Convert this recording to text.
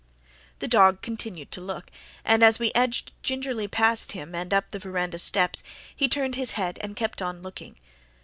The dog continued to look, and, as we edged gingerly past him and up the veranda steps, he turned his head and kept on looking.